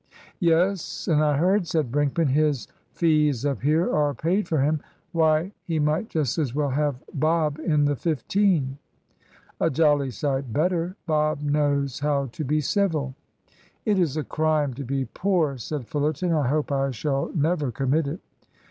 "Yes, and I heard," said Brinkman, "his fees up here are paid for him. Why, we might just as well have Bob in the fifteen." "A jolly sight better. Bob knows how to be civil." "It is a crime to be poor," said Fullerton. "I hope I shall never commit it."